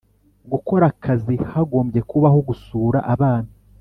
gukora akazi Hagombye kubaho gusura abana